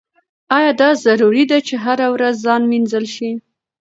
ایا دا ضروري ده چې هره ورځ ځان مینځل شي؟